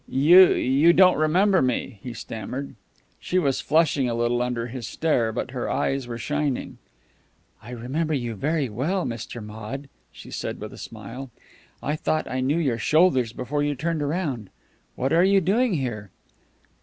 "You you don't remember me," he stammered. She was flushing a little under his stare, but her eyes were shining. "I remember you very well, Mr. Maude," she said with a smile. "I thought I knew your shoulders before you turned round. What are you doing here?"